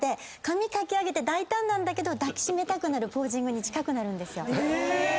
髪かき上げて大胆なんだけど抱き締めたくなるポージングに近くなるんですよ。